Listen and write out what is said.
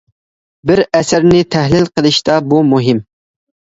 بىر ئەسەرنى تەھلىل قىلىشتا بۇ مۇھىم.